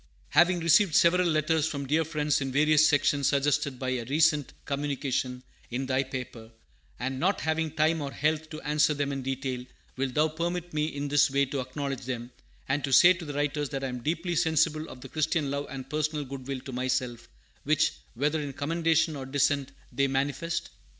Having received several letters from dear friends in various sections suggested by a recent communication in thy paper, and not having time or health to answer them in detail, will thou permit me in this way to acknowledge them, and to say to the writers that I am deeply sensible of the Christian love and personal good will to myself, which, whether in commendation or dissent, they manifest?